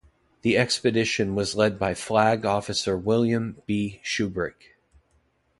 The expedition was led by Flag Officer William B. Shubrick.